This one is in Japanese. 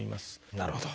なるほど。